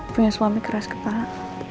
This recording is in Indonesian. punya suami keras kepala